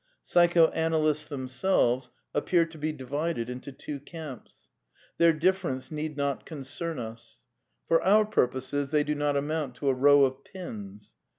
Psychoanalysts themselves appear to ' be divided into two camps. Their differences need not con cern us. For our purposes they do not amount to a row of pins.